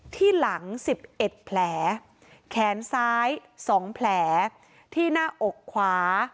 ที่หลังสิบเอ็ดแผลแขนซ้ายสองแผลที่หน้าอกขวา